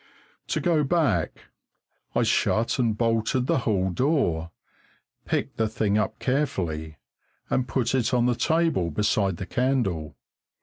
To go back, I shut and bolted the hall door, picked the thing up carefully, and put it on the table beside the candle.